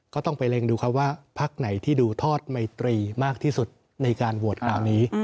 ก็ต้องไปเร็งดูครับว่าพักไหนที่ดูทอดไมตรีมากที่สุดในการโหวตคราวนี้